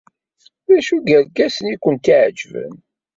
D acu n yerkasen ay kent-iɛejben?